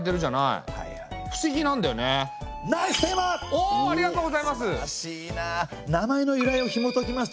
ありがとうございます！